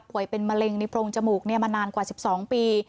เป็นมะเร็งในโพรงจมูกมานานกว่า๑๒ปี